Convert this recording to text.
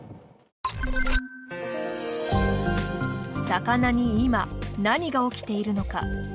魚に今何が起きているのか。